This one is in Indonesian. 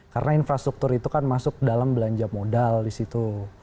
karena infrastruktur itu kan masuk dalam belanja modal di situ